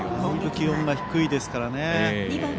本当に気温が低いですからね。